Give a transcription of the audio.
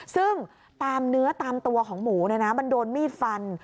ซึ่งตามเนื้อตามตัวของหมูมันโดนมีดฟัน